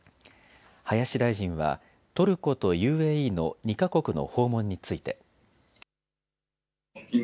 林大臣は、トルコとＵＡＥの２か国の訪問について。